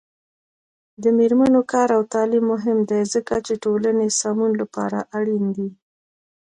د میرمنو کار او تعلیم مهم دی ځکه چې ټولنې سمون لپاره اړین دی.